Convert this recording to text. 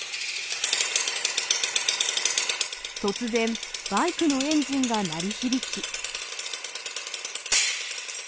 突然、バイクのエンジンが鳴り響き。